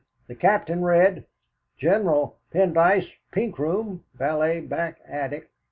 The Captain, red. General Pendyce, pink room; valet, back attic.